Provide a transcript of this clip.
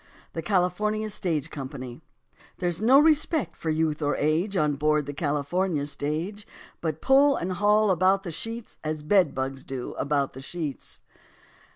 THE CALIFORNIA STAGE COMPANY There's no respect for youth or age On board the California stage, But pull and haul about the seats As bed bugs do about the sheets.